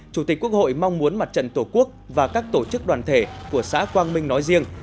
chủ tịch quốc hội mong muốn mặt trận tổ quốc và các tổ chức đoàn thể của xã quang minh nói riêng